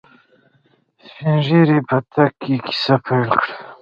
سپينږيري په تګ کې کيسه پيل کړه.